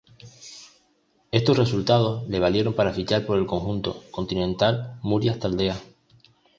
Estos resultados le valieron para fichar por el conjunto continental Murias Taldea.